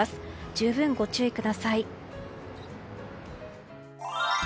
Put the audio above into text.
十分ご注意ください。